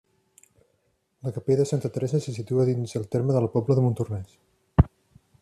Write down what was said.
La capella de Santa Teresa se situa dins el terme de la Pobla de Montornès.